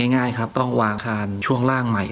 ง่ายครับต้องวางอาคารช่วงล่างใหม่